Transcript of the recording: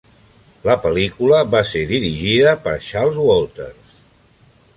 La pel·lícula va ser dirigida per Charles Walters.